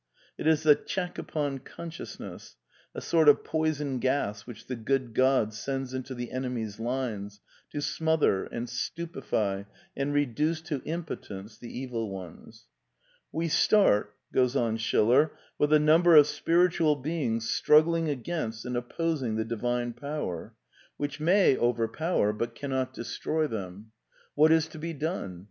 It is " the check upon consciousness ": a sort of poison gas which the Good God sends into the enemy's lines, to smother and stupefy and reduce to impotence the Evil Ones, "We start with a number of spiritual beings struggling against and opposing the Divine Power, which may overpower, 142 A DEFENCE OF IDEALISM but cannot destroy them. What is to be done?